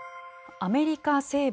アメリカ西部